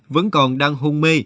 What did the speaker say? vẫn còn đang hôn mê